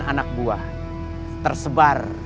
anak buah tersebar